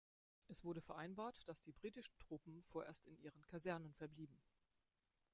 Es wurde vereinbart, dass die britischen Truppen vorerst in ihren Kasernen verblieben.